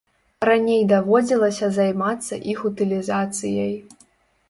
Раней даводзілася займацца іх утылізацыяй.